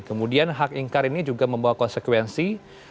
kemudian hak ingkar ini juga membawa konsekuensi